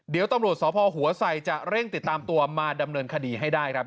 เดี๋ยวตำรวจสพหัวไสจะเร่งติดตามตัวมาดำเนินคดีให้ได้ครับ